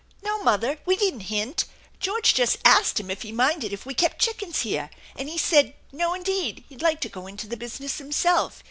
" No, mother, we didn't hint. George just asked him if he minded if we kept chickens here, and he said no, indeed, he'd like to go into the business himself.